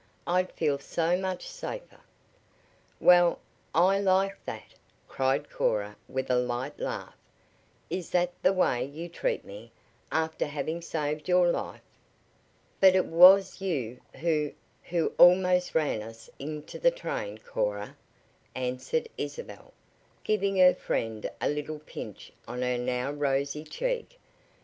"I'd feel so much safer " "Well, I like that!" cried Corm with a light laugh. "Is that the way you treat me, after having saved your life?" "But it was you who who almost ran us into the train, Cora," answered Isabel, giving her friend a little pinch on her now rosy cheek.